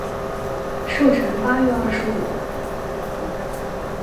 寿辰八月二十五。